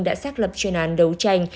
đã xác lập chuyên án đấu tranh